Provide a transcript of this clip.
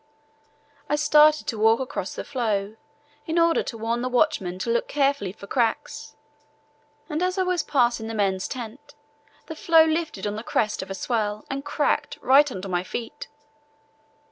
I started to walk across the floe in order to warn the watchman to look carefully for cracks, and as I was passing the men's tent the floe lifted on the crest of a swell and cracked right under my feet.